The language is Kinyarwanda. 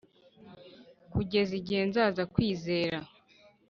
kugeza igihe nzaza kwizera.